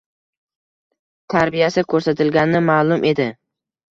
tarbiyasi ko'rsatilgani ma'lum edi.